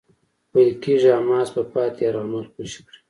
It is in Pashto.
ویل کېږی حماس به پاتې يرغمل خوشي کړي.